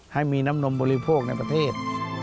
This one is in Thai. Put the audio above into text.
ให้มีน้ำนมบริโภคในประเทศ